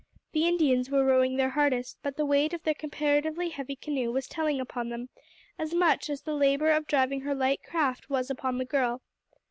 The Indians were rowing their hardest, but the weight of their comparatively heavy canoe was telling upon them as much as the labour of driving her light craft was upon the girl.